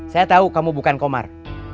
saya tahu kamu bukan komar